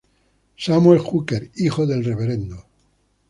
Samuel Hooker, hijo del Rev.